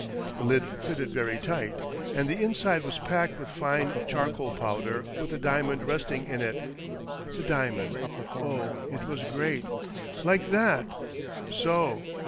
The lid fitted very tight, and the inside was packed with fine char coal powder with the diamond resting in it. The diamond — oh, it was great; like that — so."